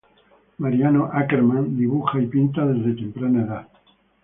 Mariano Akerman dibuja y pinta desde temprana edad.